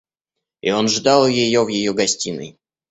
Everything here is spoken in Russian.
И он ждал ее в ее гостиной.